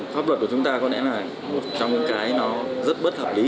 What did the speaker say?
pháp luật của chúng ta có lẽ là một trong những cái nó rất bất hợp lý